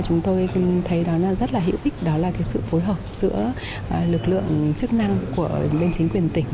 chúng tôi thấy đó rất là hữu ích đó là sự phối hợp giữa lực lượng chức năng của bên chính quyền tỉnh